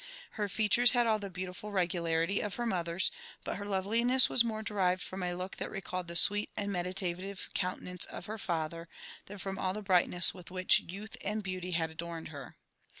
Her features had all (he beautiful regularity of her mother's; but her loveliness was more derived from a look that recalled the sweet and meditative countenance ef her father, than from all the brightness with which youlh and beauty had adorned her.